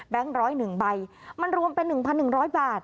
แบงค์ร้อยหนึ่งใบมันรวมเป็นหนึ่งพันหนึ่งร้อยบาท